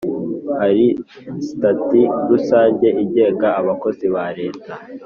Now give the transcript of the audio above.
Hari sitati rusange igenga abakozi ba Leta.